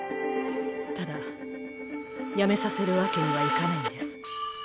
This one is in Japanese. ただやめさせるわけにはいかないんです。